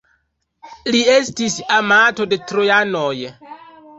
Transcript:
Li estis amato de trojanoj.